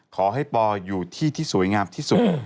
ขอให้ปออยู่ที่ที่สวยงามที่สุด